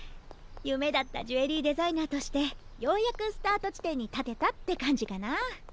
夢だったジュエリーデザイナーとしてようやくスタート地点に立てたって感じかな。